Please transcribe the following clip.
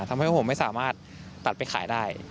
ทำให้พวกผมไม่สามารถตัดไปขายได้